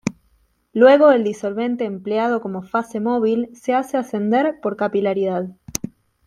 Luego el disolvente empleado como fase móvil se hace ascender por capilaridad.